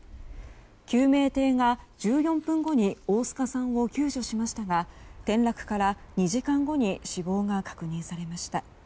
救命艇が１４分後に大須賀さんを救助しましたが転落から２時間後に死亡が確認されました。